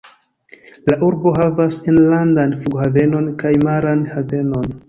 La urbo havas enlandan flughavenon kaj maran havenon.